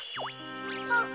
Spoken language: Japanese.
あっ。